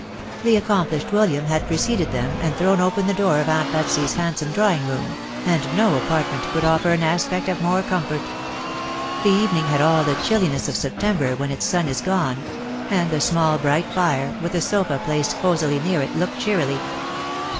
The accomplished William had preceded them, and thrown open the door of aunt Betsy's handsome drawing room ; and no apartment could offer an aspect of more comfort. The evening had all the chilliness of September when its sun is gone ; and the small bright fire, with a sofa placed cosily near it, looked cheerily.